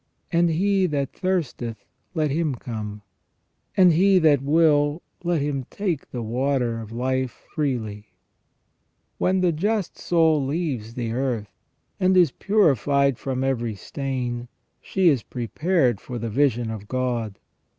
And he that thirsteth, let him come. And he that will, let him take the water of life freely," When the just soul leaves the earth, and is purified from every stain, she is prepared for the vision of God.